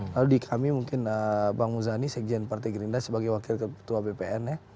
lalu di kami mungkin bang muzani sekjen partai gerinda sebagai wakil keputua bpn